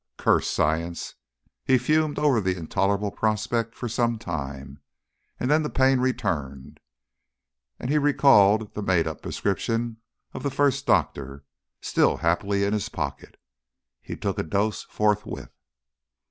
Curse science! He fumed over the intolerable prospect for some time, and then the pain returned, and he recalled the made up prescription of the first doctor, still happily in his pocket. He took a dose forthwith.